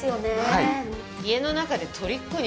はい。